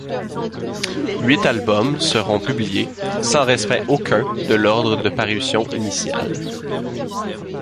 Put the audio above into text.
Huit albums seront publiés, sans respect aucun de l'ordre de parution initial.